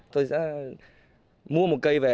tôi sẽ mua một cây về